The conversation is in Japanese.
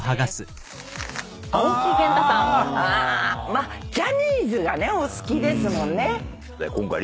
まあジャニーズがお好きですもんね。